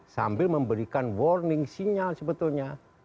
sambil memberikan warning sinyal sebetulnya